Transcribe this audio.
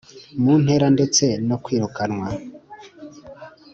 Mu ntera ndetse no kwirukanwa